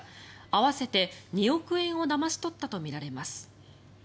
合わせて２億円をだまし取ったとみられます。